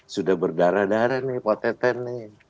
sudah berdarah darah nih pak teten nih